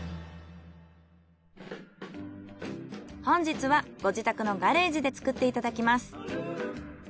本日はご自宅のガレージで作っていただきます。